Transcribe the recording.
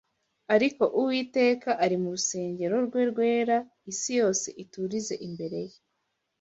Ariko Uwiteka ari mu rusengero rwe rwera, isi yose iturize imbere ye